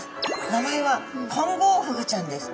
名前はコンゴウフグちゃんです。